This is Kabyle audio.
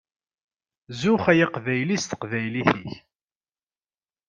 Zuxx ay Aqbayli s teqbaylit-ik!